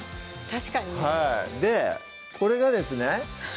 確かにこれがですね